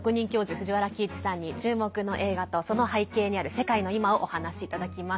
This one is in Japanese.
藤原帰一さんに注目の映画とその背景にある世界の今をお話いただきます。